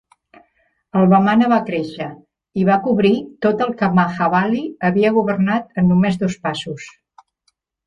El Vamana va créixer i va cobrir tot el que Mahabali havia governat en només dos passos.